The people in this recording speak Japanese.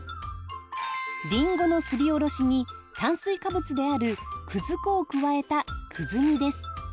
りんごのすりおろしに炭水化物であるくず粉を加えたくず煮です。